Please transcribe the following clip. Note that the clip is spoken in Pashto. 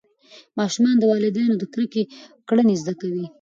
ماشومان د والدینو د کرکې کړنې زده کوي.